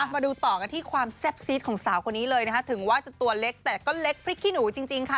มาดูต่อกันที่ความแซ่บซีดของสาวคนนี้เลยนะคะถึงว่าจะตัวเล็กแต่ก็เล็กพริกขี้หนูจริงค่ะ